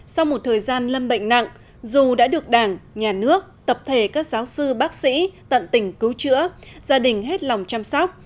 sau một thời gian lâm bệnh nặng dù đã được đảng nhà nước tập thể các giáo sư bác sĩ tận tình cứu chữa gia đình hết lòng chăm sóc